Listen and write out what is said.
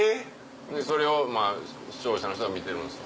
⁉それを視聴者の人が見てるんです。